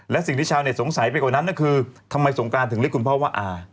และสิ่งที่ชาวเต็สงสัยไปกว่านั้นก็คือทำไมสงการถึงเรียกคุณพ่อว่าอา